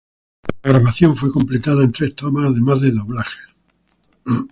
La grabación fue completada en tres tomas, además de doblajes.